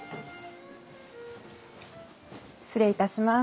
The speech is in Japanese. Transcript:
失礼いたします。